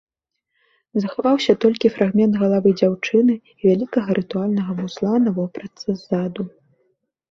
Захаваўся толькі фрагмент галавы дзяўчыны і вялікага рытуальнага вузла на вопратцы ззаду.